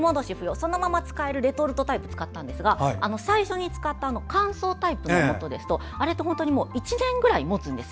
そのまま使えるレトルトタイプを使ったんですが最初に使った乾燥タイプですとあれは１年ぐらい持つんです。